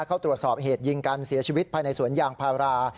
เข้าตรวจสอบเหตุยิงกันเสียชีวิตภายในสวนยางพารา